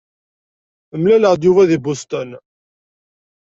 Mlaleɣ-d Yuba deg Boston.